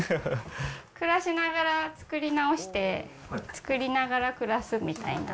暮らしながら造り直して、造りながら暮らすみたいな。